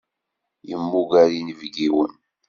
Yemmuger inebgiwen.